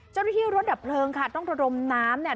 เจ้าหน้าที่รถดับเพลิงค่ะต้องระดมน้ำเนี่ย